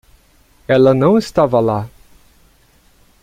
Ela não estava lá.